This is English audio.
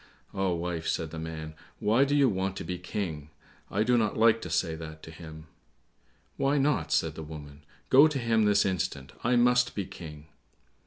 "Ah, wife," said the man, "why do you want to be King? I do not like to say that to him." "Why not?" said the woman; "go to him this instant; I must be King!"